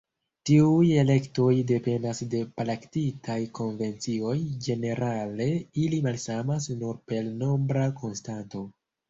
Tiuj elektoj dependas de praktikaj konvencioj, ĝenerale ili malsamas nur per nombra konstanto.